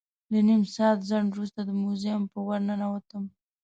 له نیم ساعت ځنډ وروسته د موزیم په ور ننوتم.